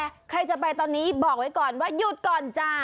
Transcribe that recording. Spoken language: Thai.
ใครจะไปตอนนี้บอกไว้ก่อนว่าหยุดก่อนจ้า